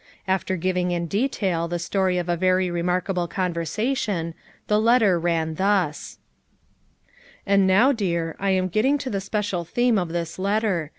After giving in detail the story of a very remarkable conversion, the letter ran thus : "And now, Dear, I am getting to the special theme of this letter.